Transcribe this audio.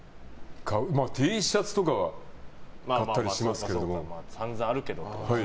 Ｔシャツぐらいは買ったりしますけど。